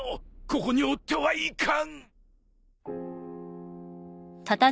ここにおってはいかん